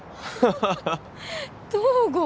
東郷